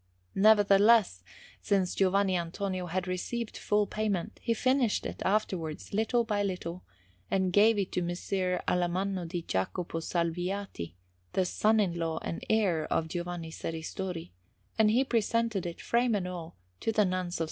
Nevertheless, since Giovanni Antonio had received full payment, he finished it afterwards little by little, and gave it to Messer Alamanno di Jacopo Salviati, the son in law and heir of Giovanni Serristori; and he presented it, frame and all, to the Nuns of S.